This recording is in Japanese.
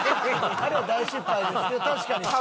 あれ大失敗ですけど確かに。